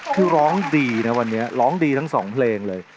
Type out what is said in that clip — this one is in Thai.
คือร้องดีนะวันนี้ร้องดีทั้งสองเพลงเลย